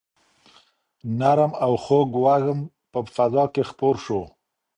نرم او خوږ وږم په فضا کې خپور شو.